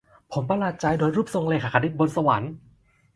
ผมประหลาดใจโดยรูปทรงเรขาคณิตบนสวรรค์